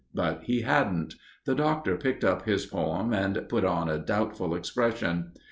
But he hadn't. The Doctor picked up his poem and put on a doubtful expression.